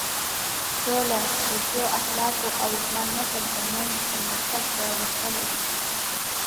سوله د ښو اخلاقو او ځوان نسل تر منځ پرمختګ راوستلی شي.